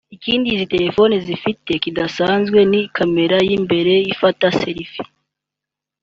Ikindi izi telefoni zifite kidasanzwe ni camera y’imbere ifata selfie